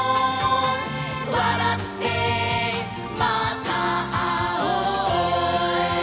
「わらってまたあおう」